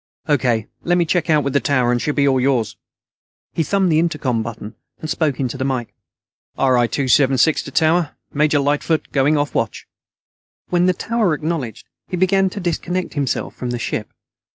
"O.K. Let me check out with the tower, and she'll be all yours." He thumbed the intercom button and spoke into the mike: "RI 276 to tower. Major Lightfoot going off watch." When the tower acknowledged, he began to disconnect himself from the ship.